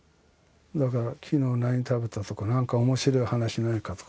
だから昨日何食べたとかなんか面白い話ないかとか。